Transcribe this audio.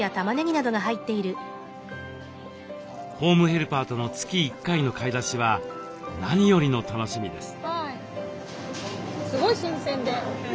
ホームヘルパーとの月１回の買い出しは何よりの楽しみです。